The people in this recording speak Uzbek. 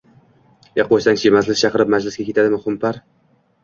Ey qo`ysang-chi, majlis chaqirib majlisga ketadimi xumpar